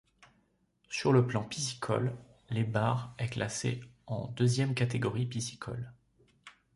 Sur le plan piscicole, les Barres est classé en deuxième catégorie piscicole.